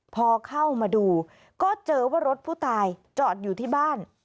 พอเข้ามาดูก็เจอว่ารถผู้ตายจอดอยู่ที่บ้าน